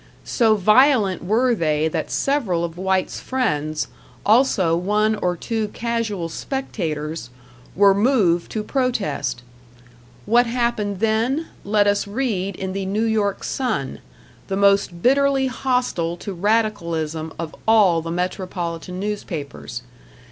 So violent were they that several of White's friends, also one or two casual spectators, were moved to protest; what happened then, let us read in the New York "Sun", the most bitterly hostile to radicalism of all the metropolitan newspapers.